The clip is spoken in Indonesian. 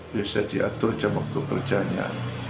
bisa diatur jam waktu kerjanya